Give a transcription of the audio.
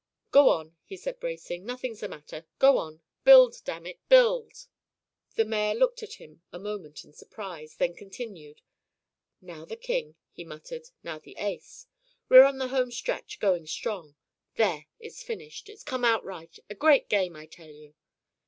"Go on," he said, bracing. "Nothing's the matter. Go on. Build, damn it, build!" The mayor looked at him a moment in surprise, then continued. "Now the king," he muttered, "now the ace. We're on the home stretch, going strong. There, it's finished. It's come out right. A great game, I tell you."